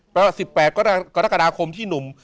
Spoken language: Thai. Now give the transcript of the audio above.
เพราะว่า๑๘กฎกฎาคมที่หนุ่ม